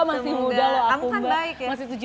masih muda loh aku mbak